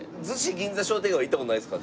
銀座商店街は行った事ないですか？